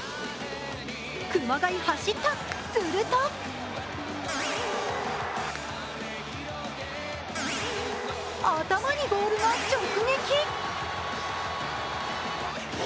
熊谷走った、すると頭にボールが直撃。